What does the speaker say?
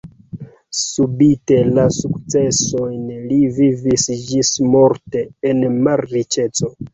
Spite la sukcesojn li vivis ĝismorte en malriĉeco.